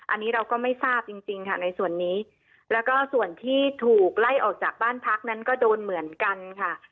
อันนี้เราก็ไม่ทราบจริงจริงค่ะในส่วนนี้แล้วก็ส่วนที่ถูกไล่ออกจากบ้านพักนั้นก็โดนเหมือนกันค่ะ